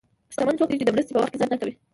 شتمن څوک دی چې د مرستې په وخت کې ځنډ نه کوي.